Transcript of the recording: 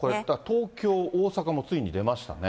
東京、大阪もついに出ましたね。